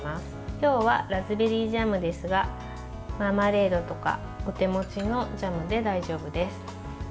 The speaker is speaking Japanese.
今日はラズベリージャムですがマーマレードとかお手持ちのジャムで大丈夫です。